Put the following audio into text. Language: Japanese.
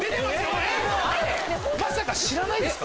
誰⁉まさか知らないですか？